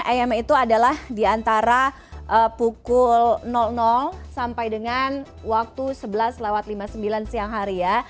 am itu adalah di antara pukul sampai dengan waktu sebelas lima puluh sembilan siang hari ya